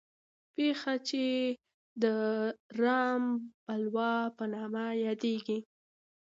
پېښه چې د رام بلوا په نامه یادېږي.